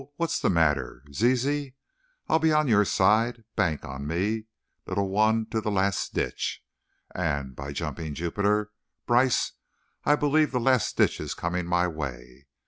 What's the matter, Zizi? I'll be on your side! Bank on me, little one, to the last ditch. And, by jumping Jupiter, Brice, I believe the last ditch is coming my way!